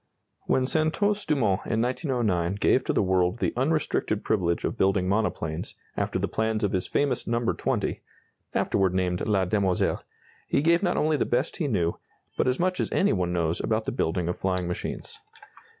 When Santos Dumont in 1909 gave to the world the unrestricted privilege of building monoplanes after the plans of his famous No. 20 afterward named La Demoiselle he gave not only the best he knew, but as much as any one knows about the building of flying machines.